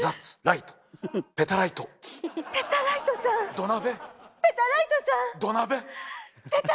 土鍋！